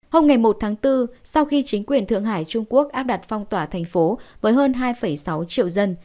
hôm ngày một tháng bốn sau khi chính quyền thượng hải trung quốc áp đặt phong tỏa thành phố với hơn hai sáu triệu dân